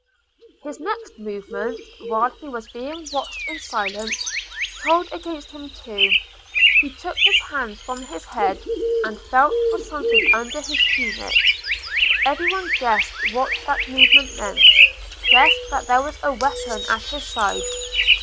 His next movement, while he was being watched in silence, told against him too. He took his hands from his head, and felt for something under his tunic. Every one guessed what that movement meant—guessed that there was a weapon at his side.